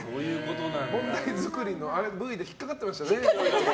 問題作りのＶで引っかかってましたね。